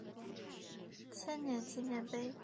千年纪念碑。